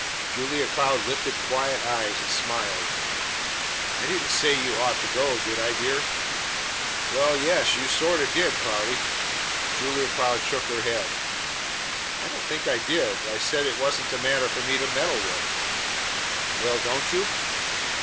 Julia Cloud lifted quiet eyes and smiled. "I didn't say you ought to go; did I, dear?" "Well, yes, you sorta did, Cloudy." Julia Cloud shook her head. "I don't think I did. I said it wasn't a matter for me to meddle with." "Well, don't you?"